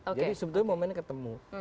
jadi sebetulnya momennya ketemu